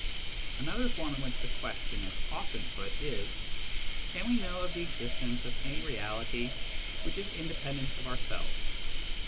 Another form in which the question is often put is :" Can we know of the existence of any reality which is independent of ourselves